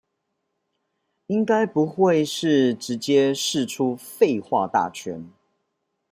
應該不是會直接釋出廢話大全